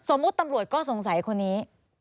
สมมุติตำรวจก็สงสัยคนนี้